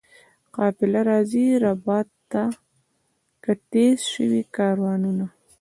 قافله راځي ربات ته که تېر سوي کاروانونه؟